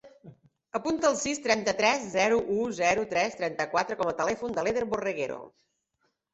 Apunta el sis, seixanta-tres, zero, u, zero, tres, trenta-quatre com a telèfon de l'Eder Borreguero.